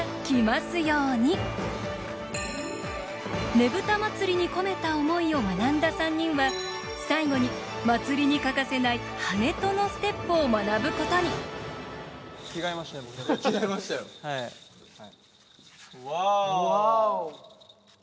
ねぶた祭に込めた思いを学んだ３人は最後に祭りに欠かせない跳人のステップを学ぶことに。わお！わお！